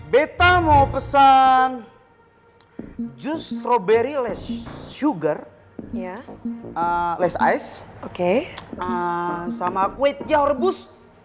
betta mau pesan jus strawberry less sugar less ice sama kue tjahorebus